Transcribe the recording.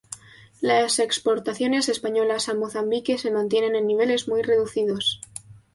Las exportaciones españolas a Mozambique se mantienen en niveles muy reducidos.